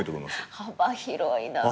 幅広いなぁ。